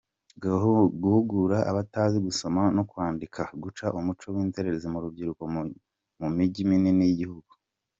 Guhugura abatazi gusoma no kwandika, guca umuco w’inzererezi murubyiruko mumigi minini y’igihugu